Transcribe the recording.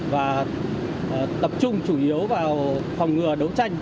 và tập trung chủ yếu vào phòng ngừa đấu tranh